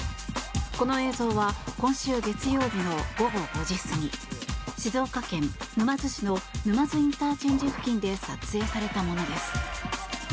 この映像は今週月曜日の午後５時過ぎ静岡県沼津市の沼津ＩＣ付近で撮影されたものです。